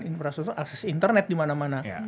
infrastruktur akses internet di mana mana